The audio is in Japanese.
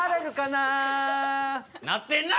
なってんな！